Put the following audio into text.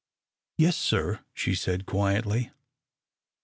"Yes, sir," she said, quietly.